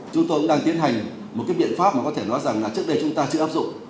chúng tôi cũng đang tiến hành một cái biện pháp mà có thể nói rằng là trước đây chúng ta chưa áp dụng